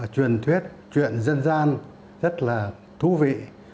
truyền thuyết truyện dân gian rất là thú vị